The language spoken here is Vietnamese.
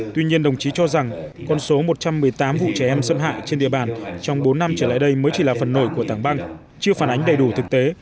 tuy nhiên đồng chí cho rằng con số một trăm một mươi tám vụ trẻ em xâm hại trên địa bàn trong bốn năm trở lại đây mới chỉ là phần nổi của tảng băng chưa phản ánh đầy đủ thực tế